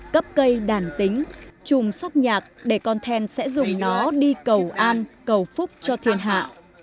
cấp cây đàn tính chùm sóc nhạc để con then sẽ dùng nó đi cầu an cầu phúc cho thiên hạ